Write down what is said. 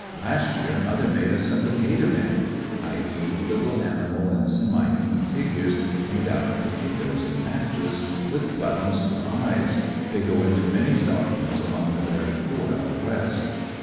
"Last year mother made us some potato men^^ (Le,j little animal and semi human figures made out of potatoes and matches, with buttons for eyes ; they go into many stockings among the very poor out West).